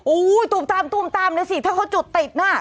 ตูมตามตูมตามเลยสิถ้าเขาจุดติดน่ะ